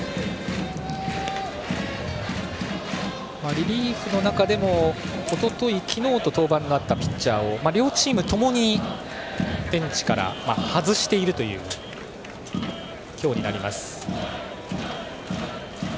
リリーフの中でもおととい昨日と登板のあったピッチャーを両チームともにベンチから外しているという今日。